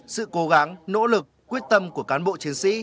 sự cố gắng nỗ lực quyết tâm của cán bộ chiến sĩ